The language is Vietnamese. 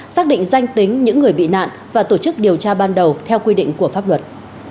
xác định danh tính những người bị nạn và tổ chức điều tra ban đầu theo quy định của pháp luật